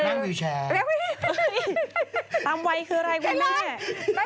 ตามวัยคืออะไรคุณแม่